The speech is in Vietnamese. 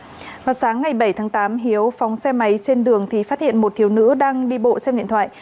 ngoài sáng ngày bảy tháng tám hiếu phóng xe máy trên đường thì phát hiện một thiếu nữ đang đi bộ xem điện thoại